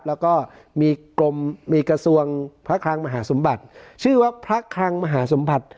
แล้วก็มีกรมมีกระทรวงพระคลังมหาสมบัติชื่อว่าพระคลังมหาสมบัติ